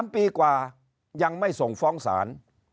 ๓ปีกว่ายังไม่ส่งฟ้องศาล